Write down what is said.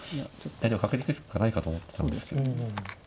でも角で行くしかないかと思ってたんですけど。